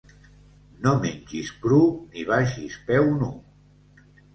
No mengis cru, ni vagis peu nu.